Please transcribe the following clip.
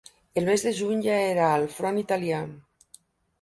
El mes de juny ja era al front italià.